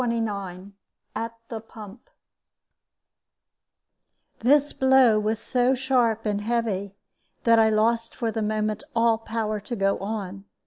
CHAPTER XXIX AT THE PUMP This blow was so sharp and heavy that I lost for the moment all power to go on.